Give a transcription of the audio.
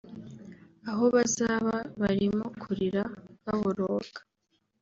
aho bazaba barimo kurira baboroga